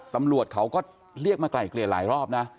ตำรวจเขาก็เรียกมาไกล่เกลี่ยหลายรอบนะ